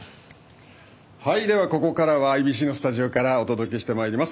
では、ここからはＩＢＣのスタジオからお届けしてまいります。